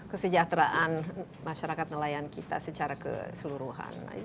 kesejahteraan masyarakat nelayan kita secara keseluruhan